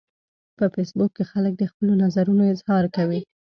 په فېسبوک کې خلک د خپلو نظرونو اظهار کوي